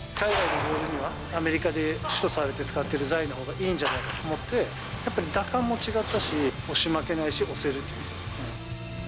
海外のボールにはアメリカで主とされて使われている材のほうがいいんじゃないかと思って、やっぱり、打感も違ったし、押し負けないし押せる。